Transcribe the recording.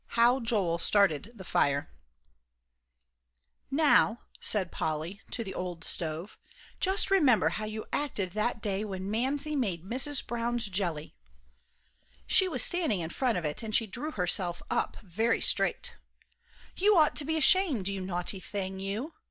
XXIV HOW JOEL STARTED THE FIRE "Now," said Polly, to the old stove, "just remember how you acted that day when Mamsie made Mrs. Brown's jelly!" She was standing in front of it, and she drew herself up very straight. "You ought to be ashamed, you naughty thing, you!